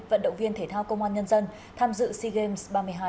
vận động viên thể thao công an nhân dân tham dự sea games ba mươi hai